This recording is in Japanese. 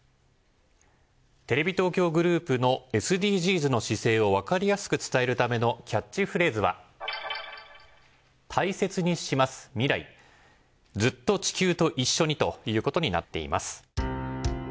テレビ東京グループのＳＤＧｓの姿勢をわかりやすく伝えるためのキャッチフレーズは「大切にします、ミライずっと地球と一緒に」ということになっています。